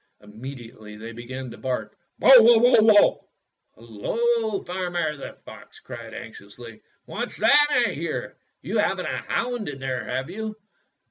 Immediately they began to bark, "Bow wow wow!" "Hello, farmer!" the fox cried anxiously, "what's that I hear? You have n't a hound in there, have you?"